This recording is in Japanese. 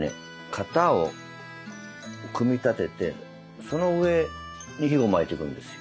型を組み立ててその上に巻いてくんですよ。